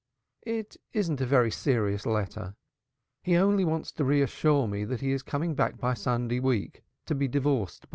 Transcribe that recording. "It isn't a very serious letter; he only wants to reassure me that he is coming back by Sunday week to be divorced."